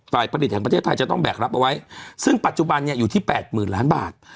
ผลิตแห่งประเทศไทยจะต้องแบกรับเอาไว้ซึ่งปัจจุบันเนี่ยอยู่ที่แปดหมื่นล้านบาท